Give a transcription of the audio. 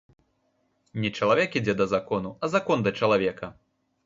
Не чалавек ідзе да закону, а закон да чалавека.